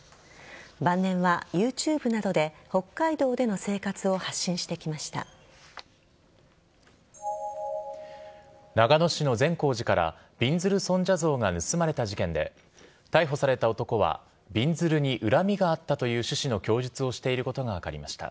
晩年はＹｏｕＴｕｂｅなどで北海道での生活を長野市の善光寺からびんずる尊者像が盗まれた事件で逮捕された男はびんずるに恨みがあったという趣旨の供述をしていることが分かりました。